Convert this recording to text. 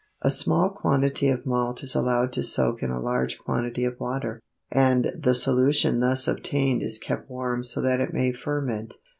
A small quantity of malt is allowed to soak in a large quantity of water, and the solution thus obtained is kept warm so that it may ferment.